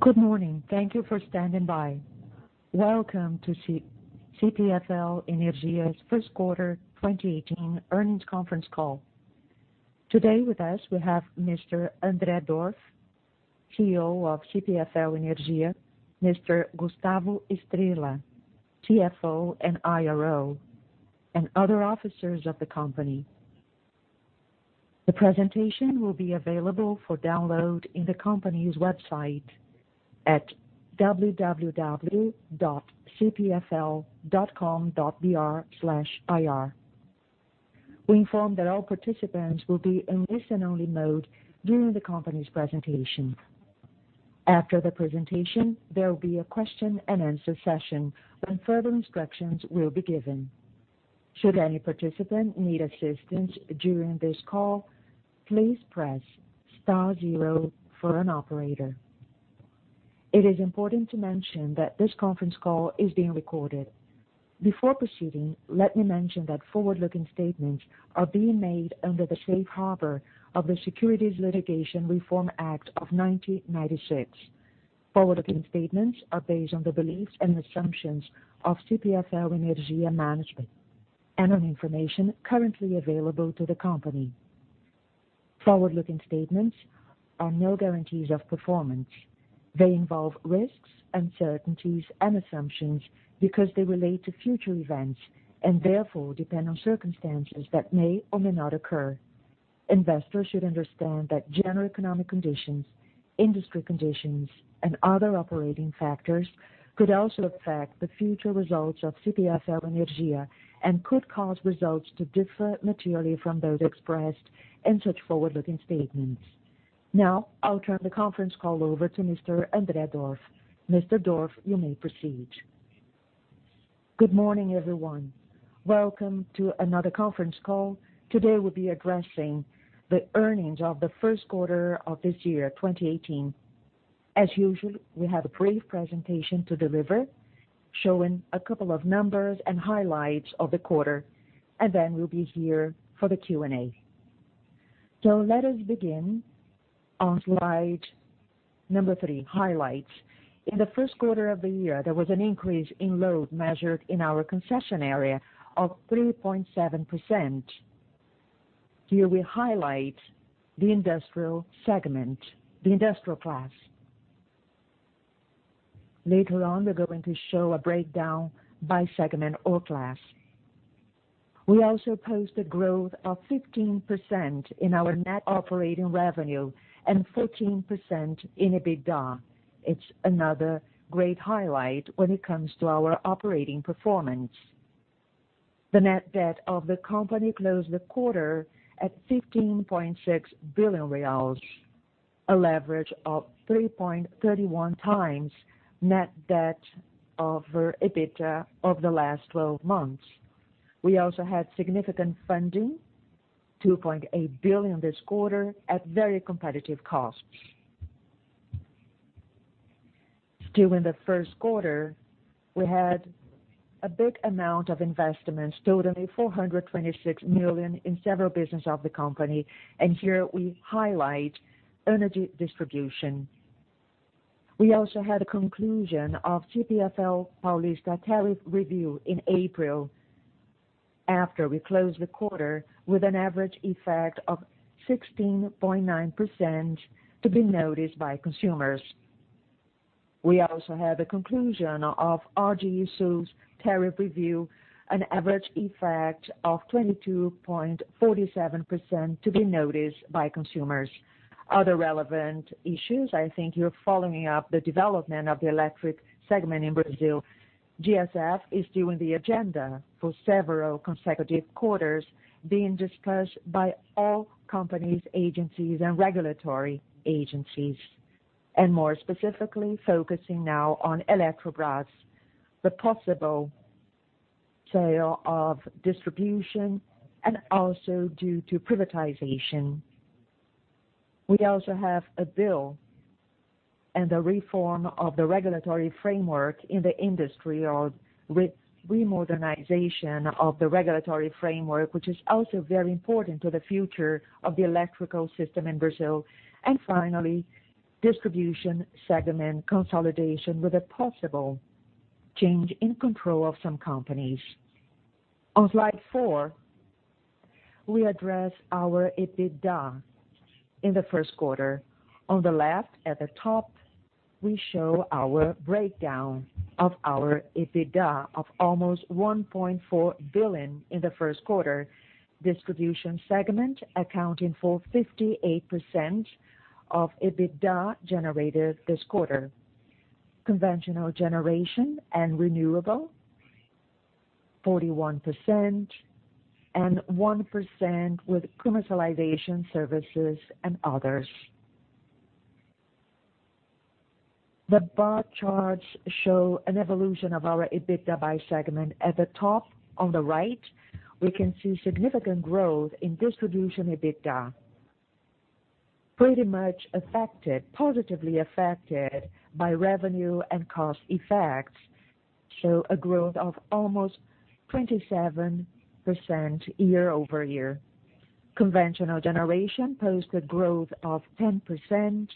Good morning. Thank you for standing by. Welcome to CPFL Energia's first quarter 2018 earnings conference call. Today with us, we have Mr. Andre Dorf, CEO of CPFL Energia, Mr. Gustavo Estrella, CFO and IRO, and other officers of the company. The presentation will be available for download on the company's website at www.cpfl.com.br/ir. We inform that all participants will be in listen-only mode during the company's presentation. After the presentation, there will be a question-and-answer session, when further instructions will be given. Should any participant need assistance during this call, please press star zero for an operator. It is important to mention that this conference call is being recorded. Before proceeding, let me mention that forward-looking statements are being made under the safe harbor of the Securities Litigation Reform Act of 1996. Forward-looking statements are based on the beliefs and assumptions of CPFL Energia management and on information currently available to the company. Forward-looking statements are no guarantees of performance. They involve risks, uncertainties, and assumptions because they relate to future events, and therefore depend on circumstances that may or may not occur. Investors should understand that general economic conditions, industry conditions, and other operating factors could also affect the future results of CPFL Energia and could cause results to differ materially from those expressed in such forward-looking statements. I'll turn the conference call over to Mr. Andre Dorf. Mr. Dorf, you may proceed. Good morning, everyone. Welcome to another conference call. Today, we'll be addressing the earnings of the first quarter of this year, 2018. As usual, we have a brief presentation to deliver, showing a couple of numbers and highlights of the quarter, and then we'll be here for the Q&A. Let us begin on slide number three, highlights. In the first quarter of the year, there was an increase in load measured in our concession area of 3.7%. Here we highlight the industrial class. Later on, we're going to show a breakdown by segment or class. We also posted growth of 15% in our net operating revenue and 14% in EBITDA. It's another great highlight when it comes to our operating performance. The net debt of the company closed the quarter at 15.6 billion reais, a leverage of 3.31 times net debt over EBITDA of the last 12 months. We also had significant funding, 2.8 billion this quarter, at very competitive costs. During the first quarter, we had a big amount of investments totaling 426 million in several business of the company, and here we highlight energy distribution. We also had a conclusion of CPFL Paulista tariff review in April. After we closed the quarter with an average effect of 16.9% to be noticed by consumers. We also had a conclusion of RGE Sul's tariff review, an average effect of 22.47% to be noticed by consumers. Other relevant issues, I think you're following up the development of the electric segment in Brazil. GSF is still in the agenda for several consecutive quarters being discussed by all companies, agencies, and regulatory agencies, and more specifically focusing now on Eletrobras, the possible sale of distribution, and also due to privatization. We also have a bill and the reform of the regulatory framework in the industry of re-modernization of the regulatory framework, which is also very important to the future of the electrical system in Brazil. Finally, distribution segment consolidation with a possible change in control of some companies. On slide four, we address our EBITDA in the first quarter. On the left at the top, we show our breakdown of our EBITDA of almost 1.4 billion in the first quarter. Distribution segment accounting for 58% of EBITDA generated this quarter. Conventional generation and renewable, 41%, and 1% with commercialization services and others. The bar charts show an evolution of our EBITDA by segment. At the top on the right, we can see significant growth in distribution EBITDA. Pretty much positively affected by revenue and cost effects, show a growth of almost 27% year-over-year. Conventional generation posted growth of 10%,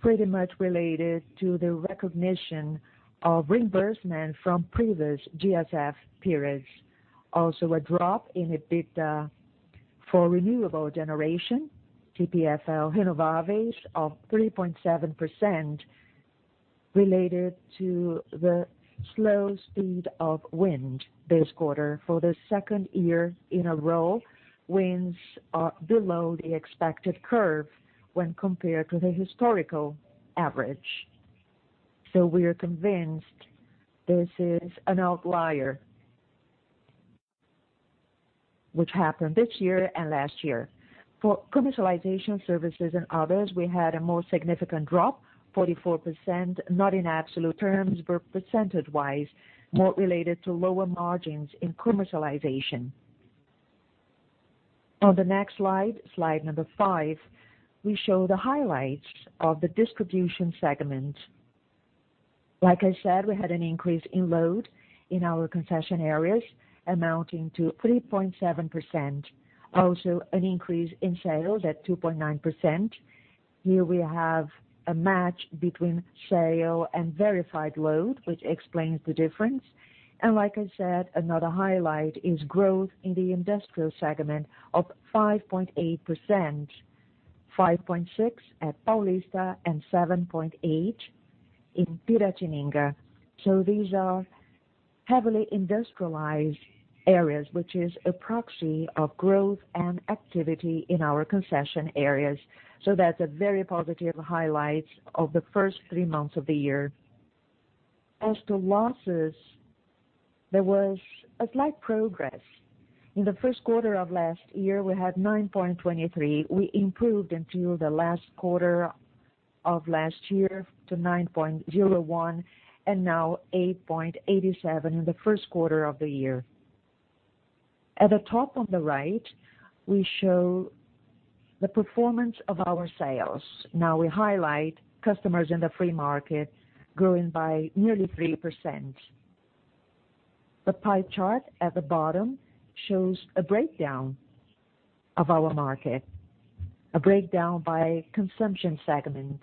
pretty much related to the recognition of reimbursement from previous GSF periods. Also a drop in EBITDA for renewable generation, CPFL Renováveis of 3.7%, related to the slow speed of wind this quarter. For the second year in a row, winds are below the expected curve when compared to the historical average. We are convinced this is an outlier, which happened this year and last year. For commercialization services and others, we had a more significant drop, 44%, not in absolute terms, but percentage-wise, more related to lower margins in commercialization. On the next slide number five, we show the highlights of the distribution segment. Like I said, we had an increase in load in our concession areas amounting to 3.7%. Also an increase in sales at 2.9%. Here we have a match between sale and verified load, which explains the difference. Like I said, another highlight is growth in the industrial segment of 5.8%, 5.6 at Paulista and 7.8 in Piratininga. These are heavily industrialized areas, which is a proxy of growth and activity in our concession areas. That's a very positive highlight of the first three months of the year. As to losses, there was a slight progress. In the first quarter of last year, we had 9.23%. We improved until the last quarter of last year to 9.01%, and now 8.87% in the first quarter of the year. At the top on the right, we show the performance of our sales. Now we highlight customers in the free market growing by nearly 3%. The pie chart at the bottom shows a breakdown of our market, a breakdown by consumption segment.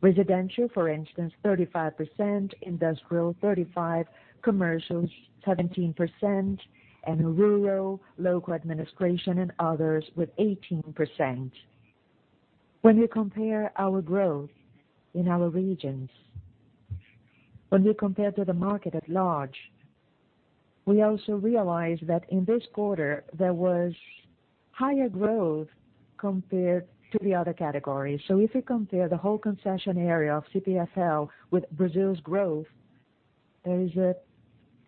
Residential, for instance, 35%, industrial 35%, commercial 17%, and rural, local administration, and others with 18%. When you compare our growth in our regions, when you compare to the market at large, we also realize that in this quarter, there was higher growth compared to the other categories. If you compare the whole concession area of CPFL with Brazil's growth, there is a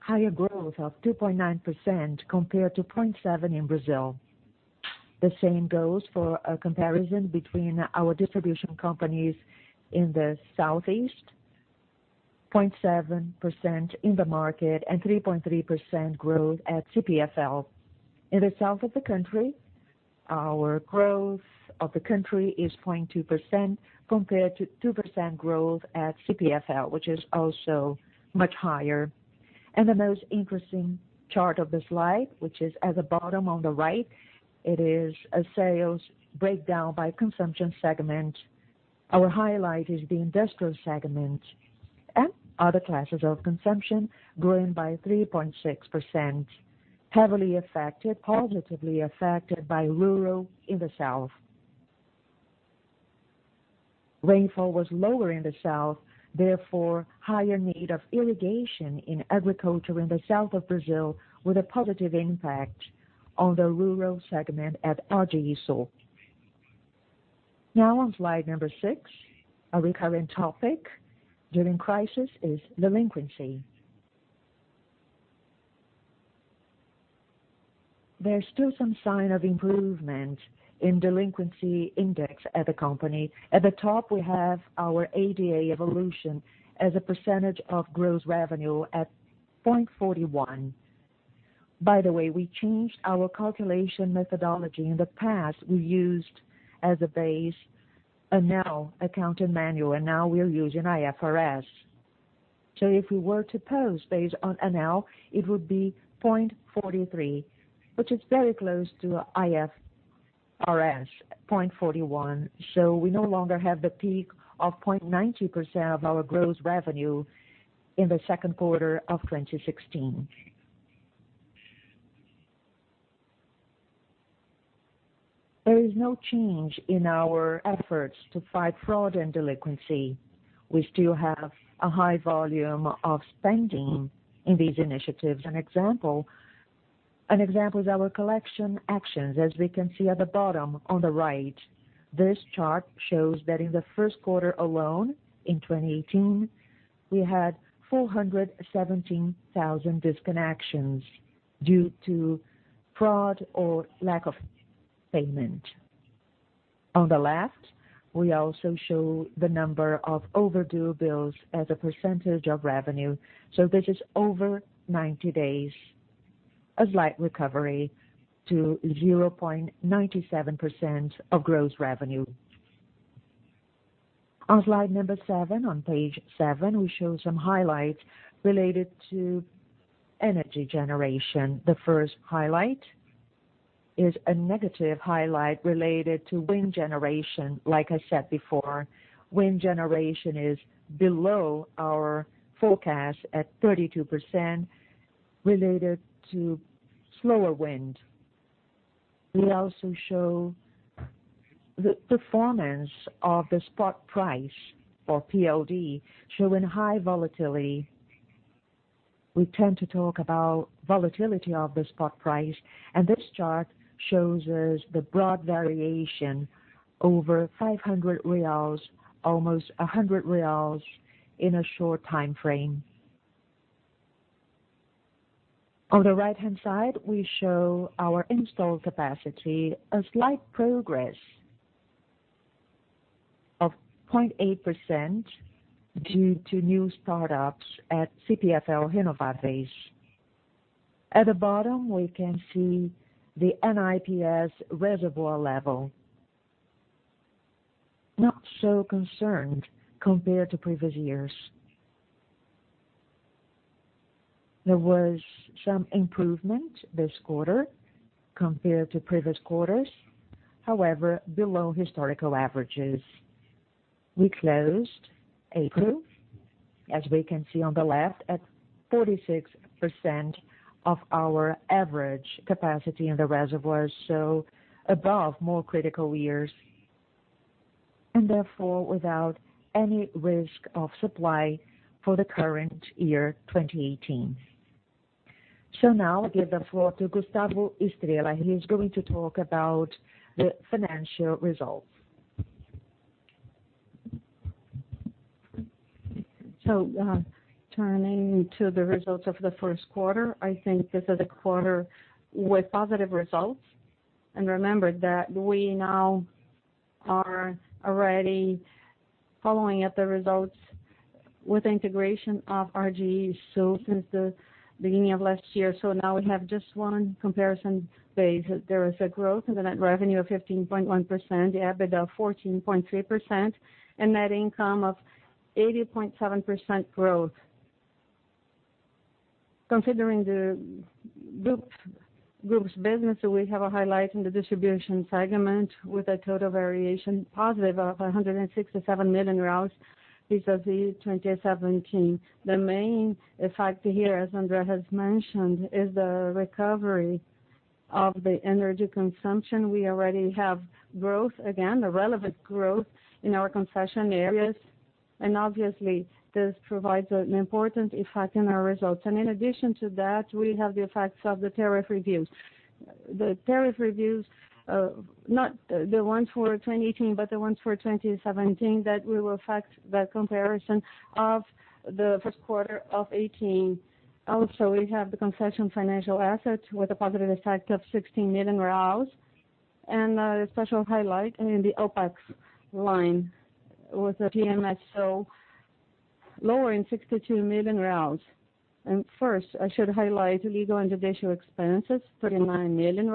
higher growth of 2.9% compared to 0.7% in Brazil. The same goes for a comparison between our distribution companies in the southeast, 0.7% in the market and 3.3% growth at CPFL. In the south of the country, our growth of the country is 0.2% compared to 2% growth at CPFL, which is also much higher. The most interesting chart of the slide, which is at the bottom on the right, it is a sales breakdown by consumption segment. Our highlight is the industrial segment and other classes of consumption growing by 3.6%, heavily affected, positively affected by rural in the south. Rainfall was lower in the south, therefore higher need of irrigation in agriculture in the south of Brazil with a positive impact on the rural segment at RGE Sul. On slide six, a recurring topic during crisis is delinquency. There's still some sign of improvement in delinquency index at the company. At the top, we have our ADA evolution as a percentage of gross revenue at 0.41. By the way, we changed our calculation methodology. In the past, we used as a base, ANEEL accounting manual, and now we are using IFRS. If we were to post based on ANEEL, it would be 0.43, which is very close to IFRS 0.41. We no longer have the peak of 0.90% of our gross revenue in the second quarter of 2016. There is no change in our efforts to fight fraud and delinquency. We still have a high volume of spending in these initiatives. An example is our collection actions, as we can see at the bottom on the right. This chart shows that in the first quarter alone in 2018, we had 417,000 disconnections due to fraud or lack of payment. On the left, we also show the number of overdue bills as a percentage of revenue. This is over 90 days, a slight recovery to 0.97% of gross revenue. On slide seven on page seven, we show some highlights related to energy generation. The first highlight is a negative highlight related to wind generation. Like I said before, wind generation is below our forecast at 32% related to slower wind. We also show the performance of the spot price or PLD showing high volatility. We tend to talk about volatility of the spot price, and this chart shows us the broad variation over 500 reais, almost 100 reais in a short time frame. On the right-hand side, we show our installed capacity, a slight progress of 0.8% due to new startups at CPFL Renováveis. At the bottom, we can see the NIPS reservoir level, not so concerned compared to previous years. There was some improvement this quarter compared to previous quarters, however, below historical averages. We closed April, as we can see on the left, at 46% of our average capacity in the reservoir, above more critical years, and therefore, without any risk of supply for the current year 2018. Now I give the floor to Gustavo Estrella. He's going to talk about the financial results. Turning to the results of the first quarter, I think this is a quarter with positive results. Remember that we now are already following up the results with the integration of RGE since the beginning of last year. Now we have just one comparison base. There is a growth in the net revenue of 15.1%, the EBITDA 14.3%, and net income of 80.7% growth. Considering the group's business, we have a highlight in the distribution segment with a total variation positive of 167 million vis-a-vis 2017. The main effect here, as Andre has mentioned, is the recovery of the energy consumption. We already have growth, again, a relevant growth in our concession areas, and obviously, this provides an important effect in our results. In addition to that, we have the effects of the tariff reviews. The tariff reviews, not the ones for 2018, but the ones for 2017, that will affect the comparison of the first quarter of 2018. We have the concession financial assets with a positive effect of 16 million. A special highlight in the OPEX line with the PMSO lower in 62 million. First, I should highlight legal and judicial expenses, 39 million,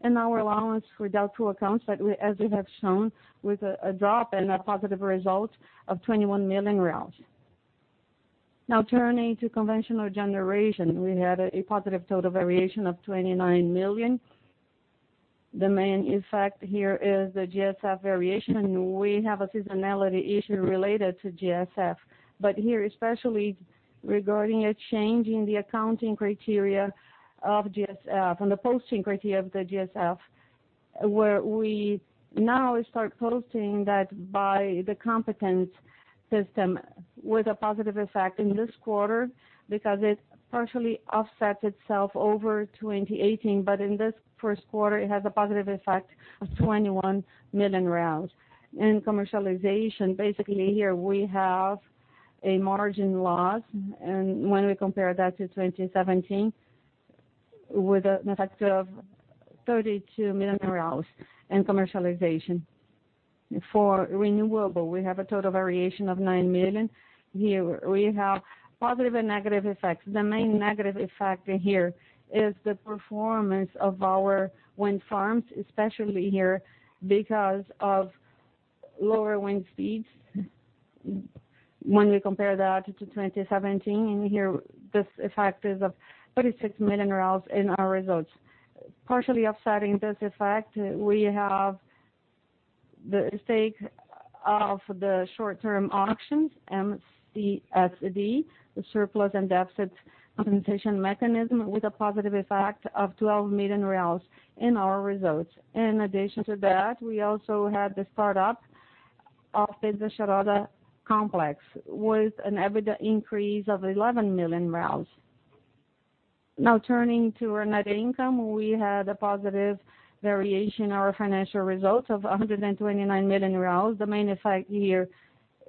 and our allowance for doubtful accounts that as we have shown, with a drop and a positive result of 21 million. Turning to conventional generation, we had a positive total variation of 29 million. The main effect here is the GSF variation. We have a seasonality issue related to GSF. Here, especially regarding a change in the accounting criteria of GSF, on the posting criteria of the GSF, where we now start posting that by the competent system with a positive effect in this quarter because it partially offsets itself over 2018. In this first quarter, it has a positive effect of 21 million. In commercialization, basically here we have a margin loss, and when we compare that to 2017, with an effect of 32 million in commercialization. For renewable, we have a total variation of nine million. Here we have positive and negative effects. The main negative effect here is the performance of our wind farms, especially here because of lower wind speeds when we compare that to 2017, and here this effect is of 36 million in our results. Partially offsetting this effect, we have the stake of the short-term auctions, MSD, the surplus and deficit compensation mechanism, with a positive effect of 12 million reais in our results. We also had the start-up of the Xajará complex with an EBITDA increase of 11 million. Turning to our net income, we had a positive variation in our financial results of 129 million real. The main effect here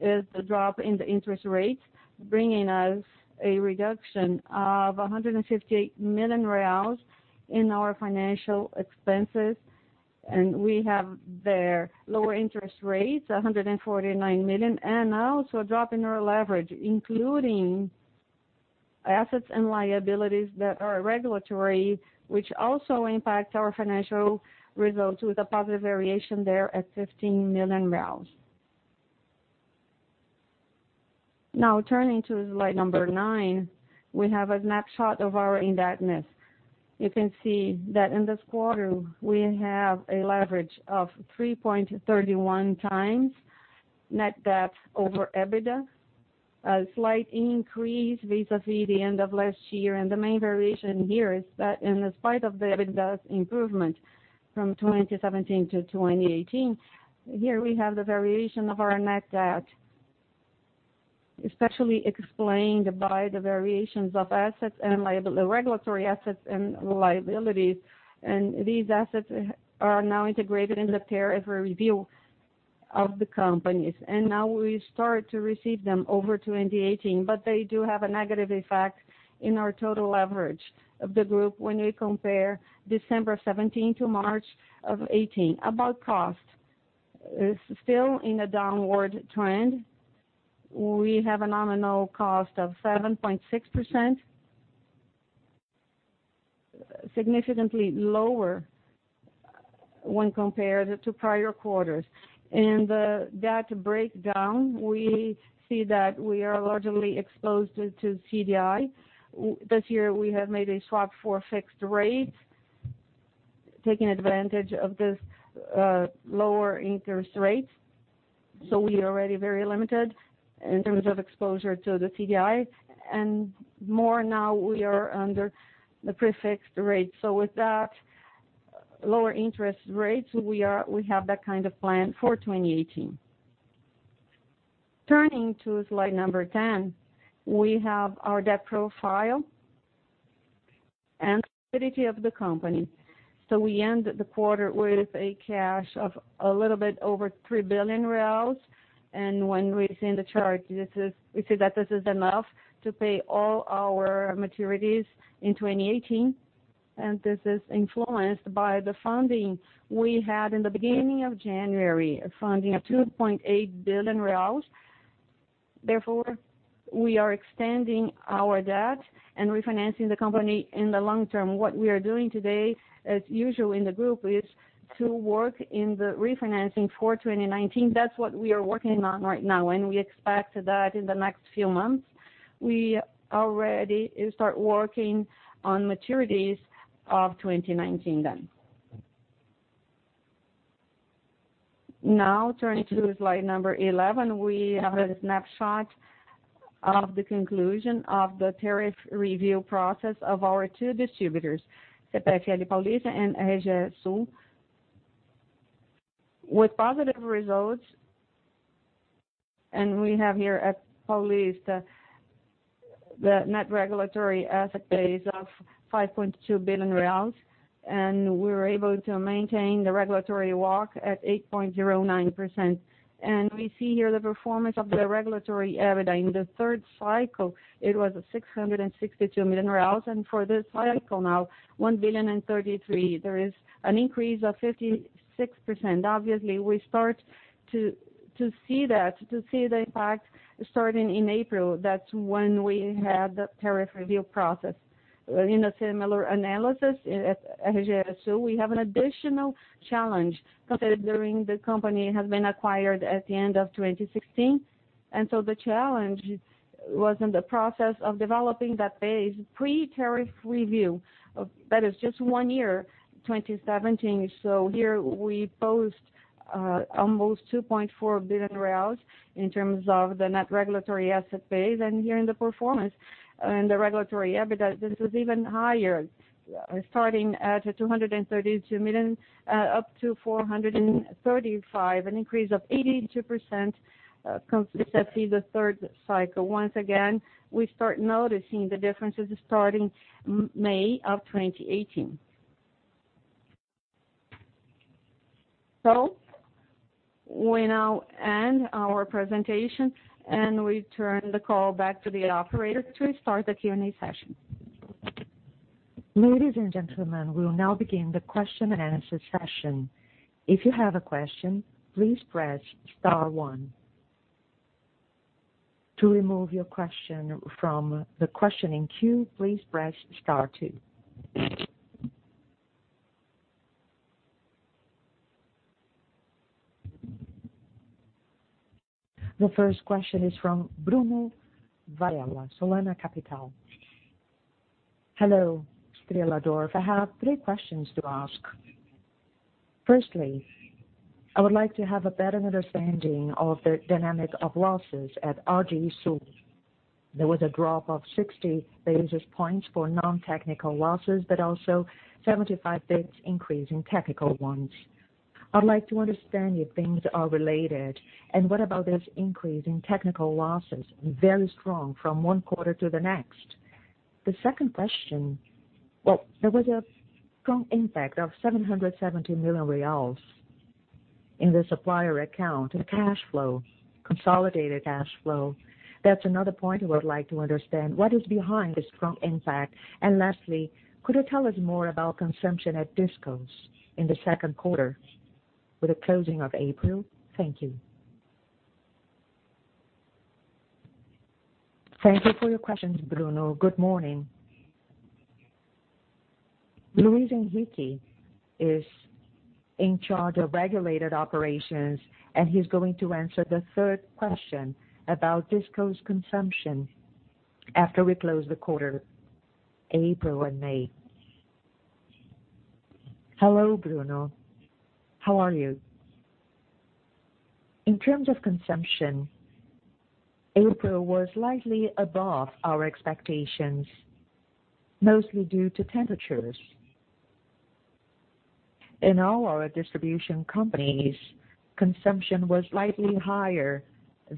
is the drop in the interest rate, bringing us a reduction of 158 million reais in our financial expenses. We have there lower interest rates, 149 million, and also a drop in our leverage, including Assets and liabilities that are regulatory, which also impact our financial results with a positive variation there at 15 million. Turning to slide number nine, we have a snapshot of our indebtedness. You can see that in this quarter we have a leverage of 3.31 times net debt over EBITDA. A slight increase vis-à-vis the end of last year. The main variation here is that in spite of the EBITDA's improvement from 2017 to 2018, here we have the variation of our net debt, especially explained by the variations of regulatory assets and liabilities, and these assets are now integrated in the tariff review of the companies. Now we start to receive them over 2018, but they do have a negative effect in our total leverage of the group when we compare December 2017 to March of 2018. About cost. It's still in a downward trend. We have a nominal cost of 7.6%, significantly lower when compared to prior quarters. That breakdown, we see that we are largely exposed to CDI. This year, we have made a swap for a fixed rate, taking advantage of this lower interest rate. We are already very limited in terms of exposure to the CDI and more now we are under the prefix rate. With that lower interest rates, we have that kind of plan for 2018. Turning to slide number 10, we have our debt profile and liquidity of the company. We end the quarter with a cash of a little bit over 3 billion. When we see in the chart, we see that this is enough to pay all our maturities in 2018. This is influenced by the funding we had in the beginning of January, a funding of 2.8 billion reais. Therefore, we are extending our debt and refinancing the company in the long term. What we are doing today, as usual in the group, is to work in the refinancing for 2019. That's what we are working on right now, we expect that in the next few months, we already start working on maturities of 2019 then. Turning to slide number 11, we have a snapshot of the conclusion of the tariff review process of our two distributors, CPFL Paulista and RGE Sul, with positive results. We have here at Paulista, the net regulatory asset base of 5.2 billion reais, and we were able to maintain the regulatory WACC at 8.09%. We see here the performance of the regulatory EBITDA. In the third cycle, it was 662 million and for this cycle now, 1 billion and 33. There is an increase of 56%. Obviously, we start to see the impact starting in April. That's when we had the tariff review process. In a similar analysis at RGE Sul, we have an additional challenge considering the company has been acquired at the end of 2016. The challenge was in the process of developing that base pre-tariff review. That is just one year, 2017. Here we post almost 2.4 billion reais in terms of the net regulatory asset base, and here in the performance in the regulatory EBITDA, this was even higher, starting at 232 million up to 435, an increase of 82% vis-à-vis the third cycle. Once again, we start noticing the differences starting May of 2018. We now end our presentation, we turn the call back to the operator to start the Q&A session. Ladies and gentlemen, we'll now begin the question and answer session. If you have a question, please press star one. To remove your question from the questioning queue, please press star two. The first question is from Bruno Vaella, Solana Capital. Hello, Estrella, Dorf. I have three questions to ask. Firstly, I would like to have a better understanding of the dynamics of losses at RGE Sul. There was a drop of 60 basis points for non-technical losses, but also 75 basis points increase in technical ones. I'd like to understand if things are related, and what about this increase in technical losses, very strong from one quarter to the next. The second question, well, there was a strong impact of BRL 770 million in the supplier account cash flow, consolidated cash flow. That's another point I would like to understand, what is behind this strong impact? Lastly, could you tell us more about consumption at Discoms in the second quarter with the closing of April? Thank you. Thank you for your questions, Bruno. Good morning. Luís Henrique is in charge of regulated operations, and he's going to answer the third question about Discoms' consumption after we close the quarter, April and May. Hello, Bruno. How are you? In terms of consumption, April was slightly above our expectations, mostly due to temperatures. In all our distribution companies, consumption was slightly higher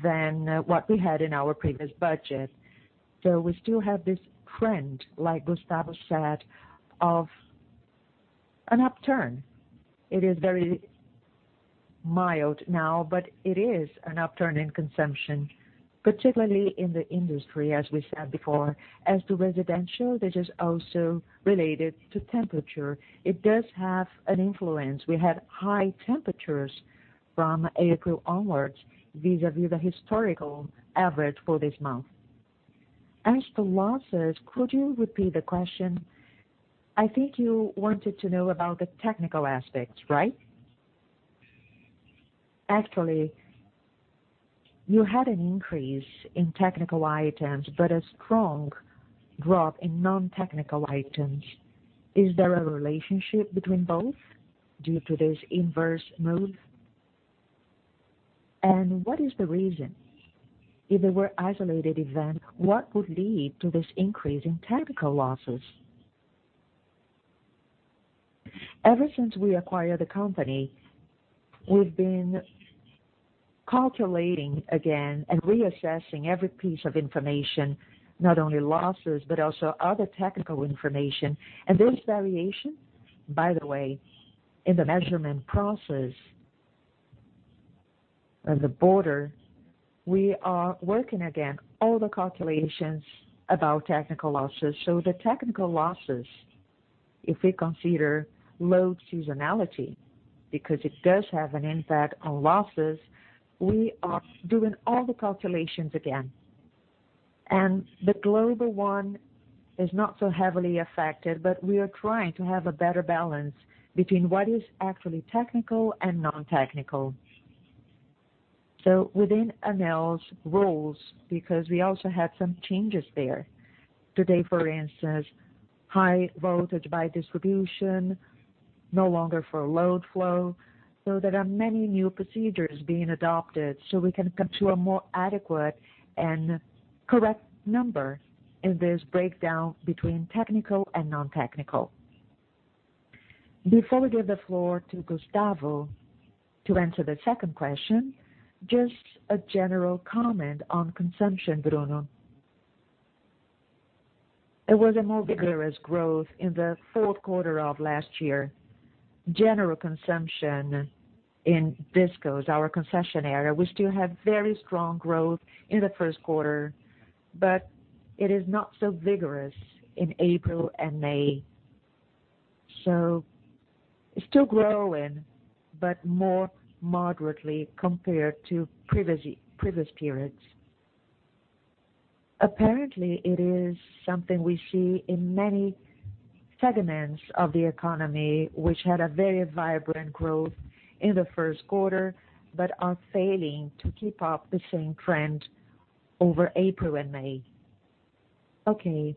than what we had in our previous budget. We still have this trend, like Gustavo said, of an upturn. It is very mild now, but it is an upturn in consumption, particularly in the industry, as we said before. As to residential, this is also related to temperature. It does have an influence. We had high temperatures from April onwards vis-a-vis the historical average for this month. As to losses, could you repeat the question? I think you wanted to know about the technical aspects, right? Actually, you had an increase in technical items, but a strong drop in non-technical items. Is there a relationship between both due to this inverse move? What is the reason? If they were isolated events, what would lead to this increase in technical losses? Ever since we acquired the company, we've been calculating again and reassessing every piece of information, not only losses, but also other technical information. This variation, by the way, in the measurement process at the border, we are working again all the calculations about technical losses. The technical losses, if we consider load seasonality, because it does have an impact on losses, we are doing all the calculations again. The global one is not so heavily affected, but we are trying to have a better balance between what is actually technical and non-technical. Within ANEEL's rules, because we also had some changes there. Today, for instance, high voltage by distribution, no longer for load flow. There are many new procedures being adopted so we can come to a more adequate and correct number in this breakdown between technical and non-technical. Before we give the floor to Gustavo to answer the second question, just a general comment on consumption, Bruno. There was a more vigorous growth in the fourth quarter of last year. General consumption in Discoms, our concession area, we still have very strong growth in the first quarter, but it is not so vigorous in April and May. It's still growing, but more moderately compared to previous periods. Apparently, it is something we see in many segments of the economy, which had a very vibrant growth in the first quarter but are failing to keep up the same trend over April and May. Okay.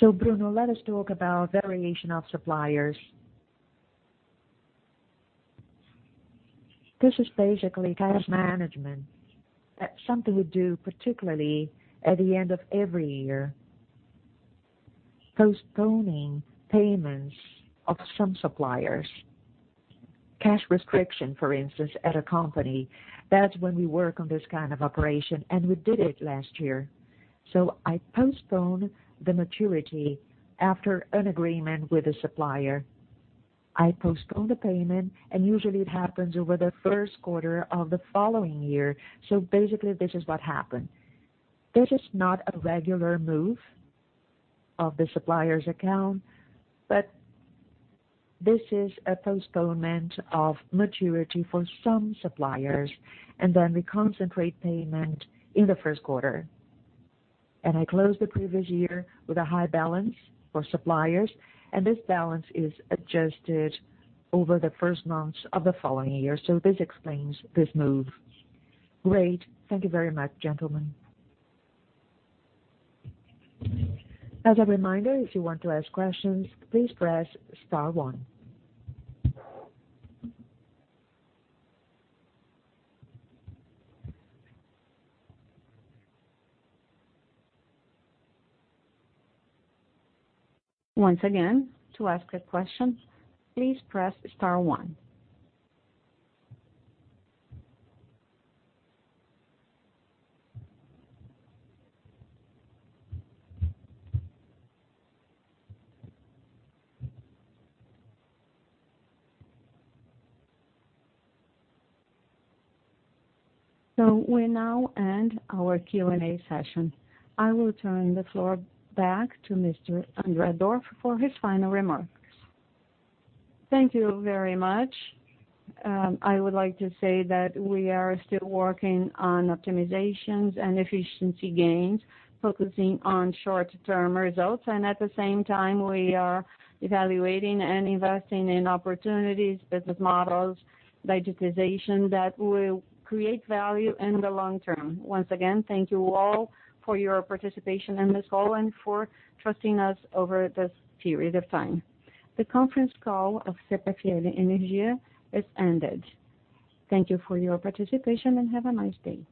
Bruno, let us talk about variation of suppliers. This is basically cash management. That's something we do particularly at the end of every year, postponing payments of some suppliers. Cash restriction, for instance, at a company, that's when we work on this kind of operation, and we did it last year. I postpone the maturity after an agreement with the supplier. I postpone the payment, and usually it happens over the first quarter of the following year. Basically this is what happened. This is not a regular move of the supplier's account, but this is a postponement of maturity for some suppliers, and then we concentrate payment in the first quarter. I close the previous year with a high balance for suppliers, and this balance is adjusted over the first months of the following year. This explains this move. Great. Thank you very much, gentlemen. As a reminder, if you want to ask questions, please press star one. Once again, to ask a question, please press star one. We now end our Q&A session. I will turn the floor back to Mr. André Dorf for his final remarks. Thank you very much. I would like to say that we are still working on optimizations and efficiency gains, focusing on short-term results. At the same time, we are evaluating and investing in opportunities, business models, digitization that will create value in the long term. Once again, thank you all for your participation in this call and for trusting us over this period of time. The conference call of CPFL Energia has ended. Thank you for your participation, and have a nice day.